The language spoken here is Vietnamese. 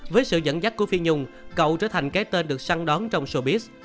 với sự dẫn dắt của phi nhung cậu trở thành cái tên được săn đón trong sobis